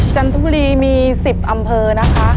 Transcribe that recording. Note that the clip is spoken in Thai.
จันทบุรีมี๑๐อำเภอนะคะ